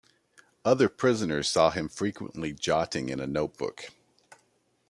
Other prisoners saw him frequently jotting in a notebook.